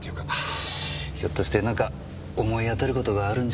ひょっとして何か思い当たる事があるんじゃないですか？